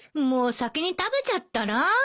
もう先に食べちゃったら？